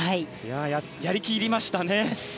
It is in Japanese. やり切りましたね。